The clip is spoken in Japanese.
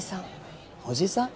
おじさん。